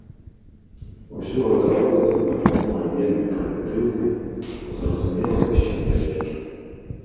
Усё гэта робіцца з дапамогай вельмі прымітыўнай, зразумелай усім лексікі.